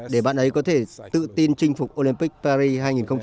để bạn ấy có thể tự tin chinh phục olympic paris hai nghìn hai mươi